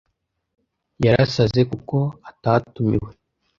Yarasaze kuko atatumiwe.